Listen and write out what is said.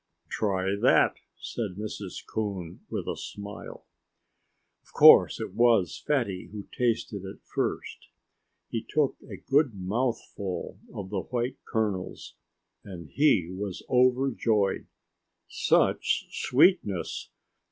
"Try that!" said Mrs. Coon with a smile. Of course it was Fatty who tasted it first. He took a good mouthful of the white kernels, and he was overjoyed. Such sweetness!